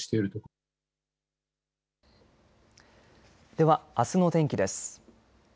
では、あすの天気です。